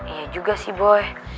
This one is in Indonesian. iya juga sih boy